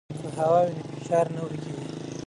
که هوا وي نو فشار نه ورکېږي.